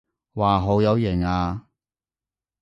哇好有型啊